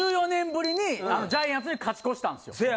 １４年ぶりにジャイアンツに勝ち越したんですよ。